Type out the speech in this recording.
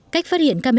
cách phát hiện camera